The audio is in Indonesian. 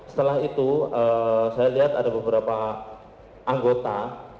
setelah itu saya lihat ada beberapa anggota